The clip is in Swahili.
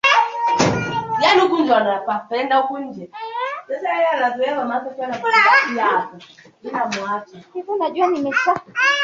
Na maonjo haya.